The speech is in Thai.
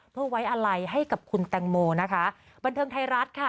เพื่อไว้อะไรให้กับคุณแตงโมนะคะบันเทิงไทยรัฐค่ะ